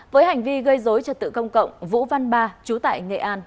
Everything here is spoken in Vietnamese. với hành vi gây dối trật tự công cộng vũ văn ba chú tại nghệ an